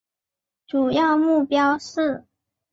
主要目标是